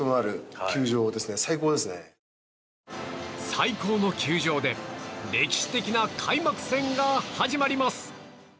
最高の球場で歴史的な開幕戦が始まります。